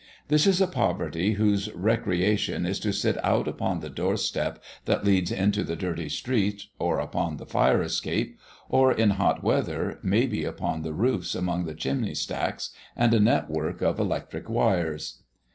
This is a poverty whose recreation is to sit out upon the doorstep that leads into the dirty street or upon the fire escape, or, in hot weather, maybe upon the roofs among the chimney stacks and a net work of electric wires.